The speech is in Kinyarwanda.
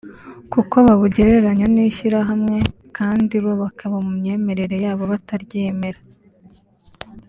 kuko babugereranya n’ishyirahamwe kandi bo bakaba mu myemerere yabo bataryemera